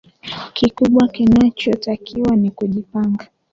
kikubwa kinachotakiwa ni kujipanga